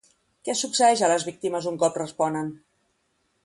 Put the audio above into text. Què succeeix a les víctimes un cop responen?